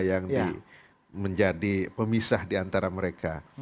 yang menjadi pemisah di antara mereka